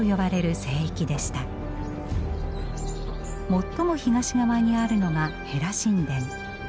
最も東側にあるのがヘラ神殿。